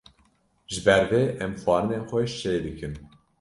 Ji ber vê em xwarinên xweş çê dikin